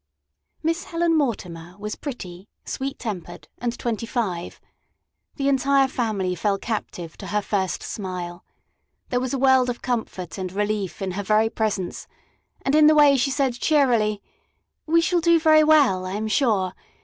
Miss Helen Mortimer was pretty, sweet tempered, and twenty five. The entire family fell captive to her first smile. There was a world of comfort and relief in her very presence, and in the way she said cheerily: "We shall do very well, I am sure.